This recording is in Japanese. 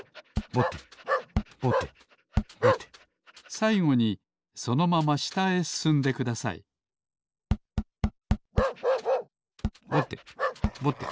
さいごにそのまましたへすすんでくださいぼてぼて。